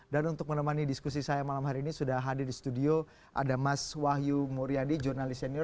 dan untuk menemani diskusi saya malam hari ini sudah hadir di studio ada mas wahyu muryadi jurnalis senior